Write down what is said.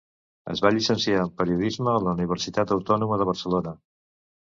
Es va llicenciar en Periodisme a la Universitat Autònoma de Barcelona.